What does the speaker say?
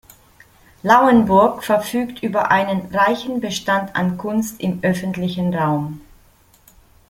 Lauenburg verfügt über einen reichen Bestand an Kunst im öffentlichen Raum.